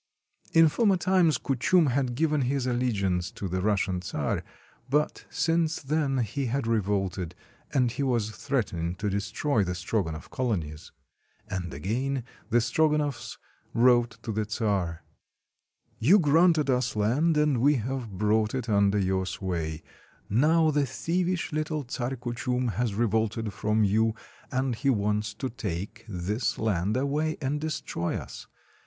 In former times Kuchum had given his allegiance to the Russian czar, but since then he had revolted, and he was threatening to destroy the Strogonoff colonies. And again the Strogonoff s wrote to the czar :— "You granted us land, and we have brought it under your sway; now the thievish little Czar Kuchum has revolted from you, and he wants to take this land away and destroy us.